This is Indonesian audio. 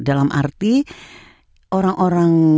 dalam arti orang orang